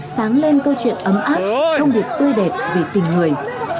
sáng lên câu chuyện ấm áp thông điệp tươi đẹp vì tình người